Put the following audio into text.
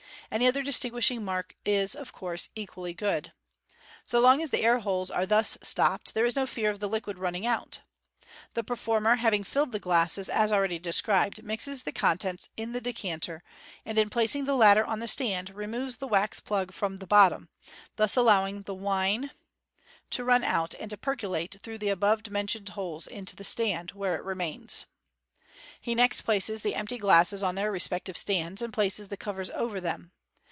Any other distinguishing mark is, of course, equally good. So long as the air holes are thus stopped, there is no fear of the liquid running out. The performer, having filled the glasses as already described, mixes the contents in the decanter, and in placing the latter on the stand, removes the wax plug from the bottom, thus allowing the wine to run out, and to percolate through the above mentioned holes into the Fig. 209. MODERN MAGIC. 379 stand, where it remains. He next places the empty glasses on their respective stands, and places the covers over them.